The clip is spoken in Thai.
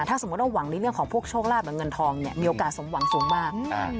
ถ้าสมมุติว่าหวังในเรื่องของพวกโชคลาภหรือเงินทองเนี่ยมีโอกาสสมหวังสูงมาก